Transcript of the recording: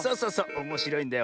おもしろいんだよ。